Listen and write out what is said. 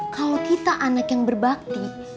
kalau kita anak yang berbakti